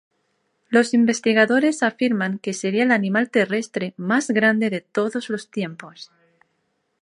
Los investigadores afirman que sería el animal terrestre más grande de todos los tiempos.